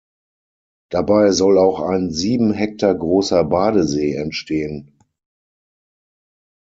Dabei soll auch ein sieben Hektar großer Badesee entstehen.